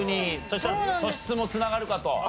そしたら素質も繋がるかと。